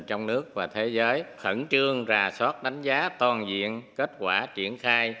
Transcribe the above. trong nước và thế giới khẩn trương rà soát đánh giá toàn diện